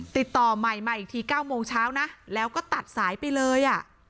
ติดต่อใหม่มาอีกที๙โมงเช้านะแล้วก็ตัดสายไปเลย